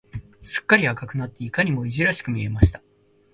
すっかり赤くなって、いかにもいじらしく見えました。